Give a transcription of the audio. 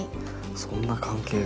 そんな関係が。